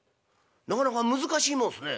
「なかなか難しいもんすね」。